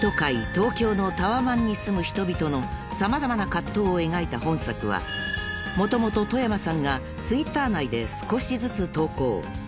東京のタワマンに住む人々の様々な葛藤を描いた本作はもともと外山さんがＴｗｉｔｔｅｒ内で少しずつ投稿］